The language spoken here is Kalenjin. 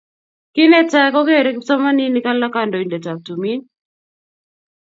Kinetai kokere kipsomaninik alak kandoindet ab tumin